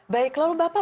baik lalu bapak